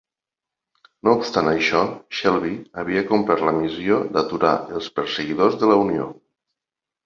No obstant això, Shelby havia complert la missió d'aturar els perseguidors de la Unió.